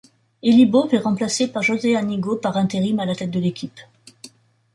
Élie Baup est remplacé par José Anigo par intérim à la tête de l'équipe.